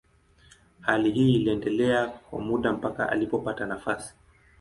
Hali hii iliendelea kwa muda mpaka alipopata nafasi.